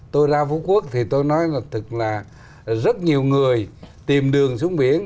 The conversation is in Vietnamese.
tôi ra phú quốc thì tôi nói là thực là rất nhiều người tìm đường xuống biển